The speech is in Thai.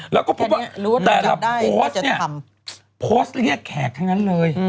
แล้วก็พบว่าแต่ละโพสต์เนี่ยโพสต์เรียกแขกทั้งนั้นเลย